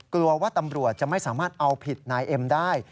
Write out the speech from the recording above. กลัวว่าตำรวจจะไม่สามารถเอาผิดนายเอ็มได้